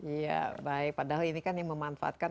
iya baik padahal ini kan yang memanfaatkan